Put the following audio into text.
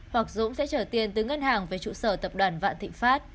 hoặc dũng sẽ trở tiền từ ngân hàng về trụ sở tập đoàn vạn thịnh pháp